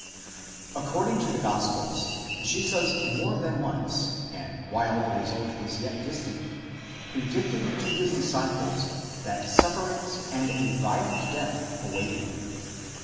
AccorpDING to the gospels, Jesus more than once, and wnile the result was yet distant,! predicted to his disciples that sufferings and a violent death awaited him.